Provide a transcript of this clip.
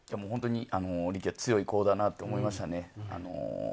力也は強い子だなと思いました。